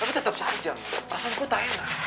tapi tetap saja mak perasaanku tak enak